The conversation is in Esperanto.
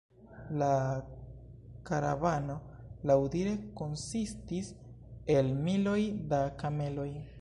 La karavano laŭdire konsistis el "miloj da kameloj".